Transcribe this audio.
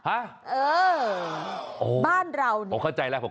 ฮะโอ้โฮบ้านเราผมเข้าใจแล้ว